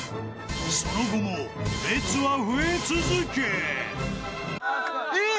［その後も列は増え続け］